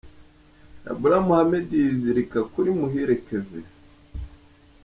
Kabula Mohammed yizirika kuri Muhire Kevin.